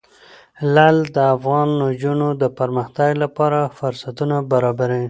لعل د افغان نجونو د پرمختګ لپاره فرصتونه برابروي.